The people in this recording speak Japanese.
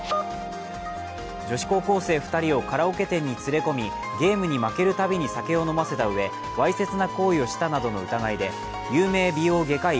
女子高校生２人をカラオケ店に連れ込みゲームに負けるたびに酒を飲ませたうえわいせつな行為をしたなどの疑いで有名美容外科医